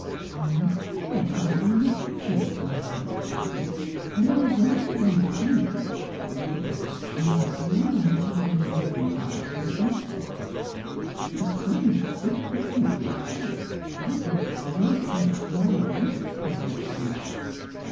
"I must confess that I do not see it in that light," she said, " and I rather wonder that you should do so, Elizabeth, now that your mind has been awakened to loftier interests. 'fhe sum which thLs picnic will cost would be a great help to our blanket club next winter."